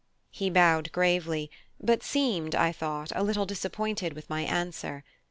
He bowed gravely, but seemed, I thought, a little disappointed with my answer.